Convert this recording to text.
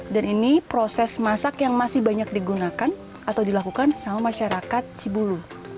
ini proses masak yang masih banyak digunakan atau dilakukan sama masyarakat sibulu